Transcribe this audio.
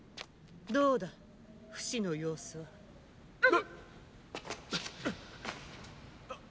どうだフシの様子は⁉あっ！